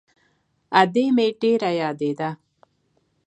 ادې مې ډېره يادېده.